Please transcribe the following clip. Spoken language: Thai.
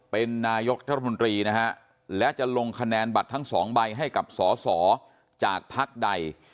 เป็นนายกรัฐมนตรีนะฮะและจะลงคะแนนบัตรทั้งสองใบให้กับสอสอจากภักดิ์ใด